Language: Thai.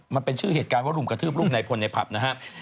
มันเป็นชื่อเหตุการณ์ว่ารุมกระทืบลูกในพลในผับนะฮะ